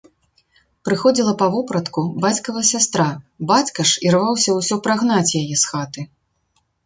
Прыходзіла па вопратку бацькава сястра, бацька ж ірваўся ўсё прагнаць яе з хаты.